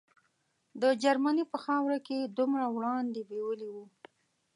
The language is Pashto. د جرمني په خاوره کې یې دومره وړاندې بیولي وو.